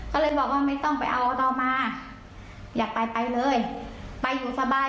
ก็เลยบอกว่าไม่ต้องไปเอาอัตมาอยากไปไปเลยไปอยู่สบาย